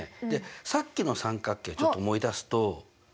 でさっきの三角形ちょっと思い出すと。